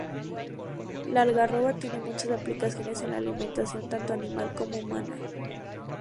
La algarroba tiene muchas aplicaciones en la alimentación, tanto animal como humana.